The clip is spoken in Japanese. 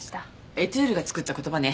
『エトゥール』が作った言葉ね。